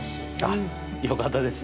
あっ、よかったです。